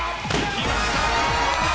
きました！